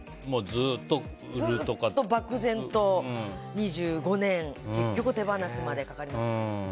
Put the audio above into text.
ずっと、漠然と２５年結局、手放すまでかかりました。